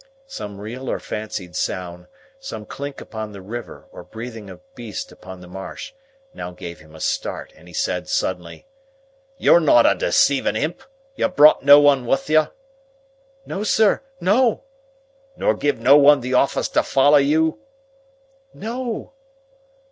Some real or fancied sound, some clink upon the river or breathing of beast upon the marsh, now gave him a start, and he said, suddenly,— "You're not a deceiving imp? You brought no one with you?" "No, sir! No!" "Nor giv' no one the office to follow you?" "No!"